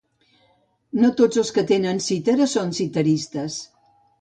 No tots els que tenen cítara són citaristes.